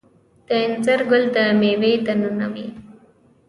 د انځر ګل د میوې دننه وي؟